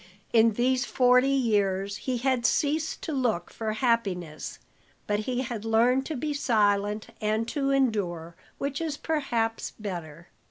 In these forty years he had ceased to look for happiness, but he had learned to be silent and to endure, which is perhaps better.